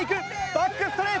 バックストレート！